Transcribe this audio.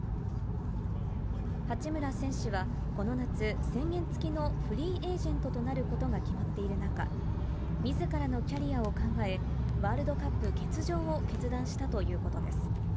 八村選手はこの夏、制限付きのフリーエージェントとなることが決まっている中、みずからのキャリアを考え、ワールドカップ欠場を決断したということです。